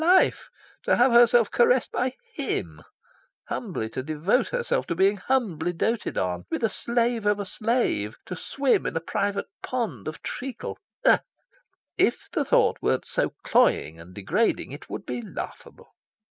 Life! to have herself caressed by HIM; humbly to devote herself to being humbly doted on; to be the slave of a slave; to swim in a private pond of treacle ugh! If the thought weren't so cloying and degrading, it would be laughable.